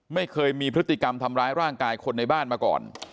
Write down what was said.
ไม่เคยมีพฤติกรรมทำร้ายร่างกายคนในบ้านมาก่อน